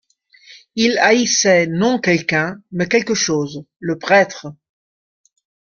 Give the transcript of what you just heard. Il haïssait, non quelqu’un, mais quelque chose, le prêtre.